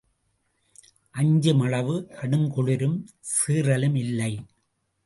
அஞ்சுமளவு கடுங்குளிரும் சீறலும் இல்லை.